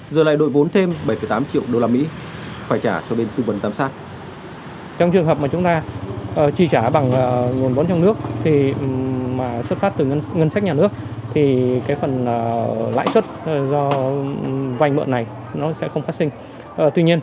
giờ lại đội vốn thêm bảy tám triệu đô la mỹ phải trả cho bên tư vấn giám sát